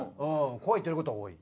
怖いって言われることは多い。